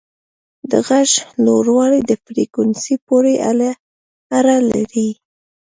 د غږ لوړوالی د فریکونسي پورې اړه لري.